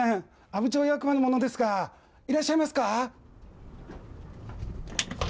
阿武町役場の者ですが、いらっしゃいますか。